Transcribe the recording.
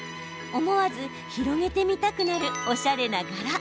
思わず広げてみたくなるおしゃれな柄。